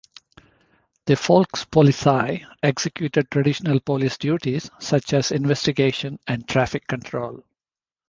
The Volkspolizei executed traditional police duties such as investigation and traffic control.